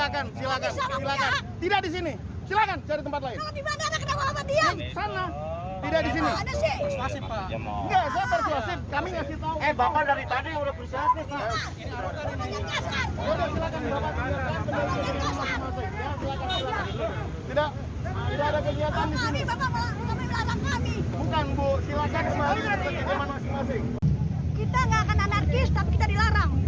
kita tidak akan anarkis tapi kita dilarang